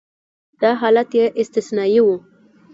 دا حالت یې استثنایي و.